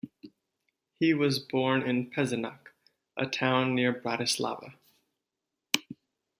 He was born in Pezinok - a town near Bratislava.